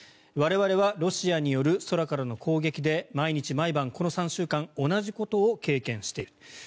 我々はロシアによる空からの攻撃で毎日毎晩この３週間同じことを経験している。